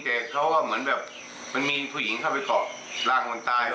เพราะว่าเหมือนแบบมันมีผู้หญิงเข้าไปกอดร่างของคนตายด้วย